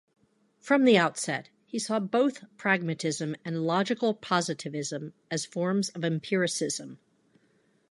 From the outset, he saw both pragmatism and logical positivism as forms of empiricism.